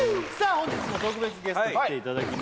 本日も特別ゲストに来ていただきました